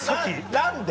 何で？